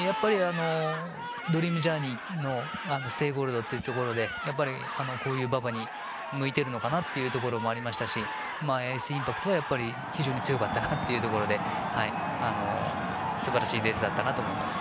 ドリームジャーニーのステイゴールドというところでこういう馬場に向いているのかなというところもあったしエースインパクトは非常に強かったなというところで素晴らしいレースだったと思います。